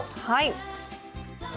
はい！